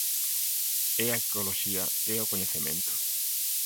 É a ecoloxía, é o coñecemento.